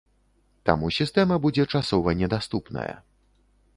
Таму сістэма будзе часова недаступная.